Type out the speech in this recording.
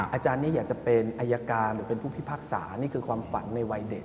อาจารย์นี้อยากจะเป็นอายการหรือเป็นผู้พิพากษานี่คือความฝันในวัยเด็ก